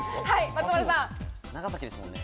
長崎ですもんね。